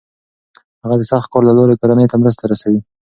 هغه د سخت کار له لارې کورنۍ ته مرسته رسوي.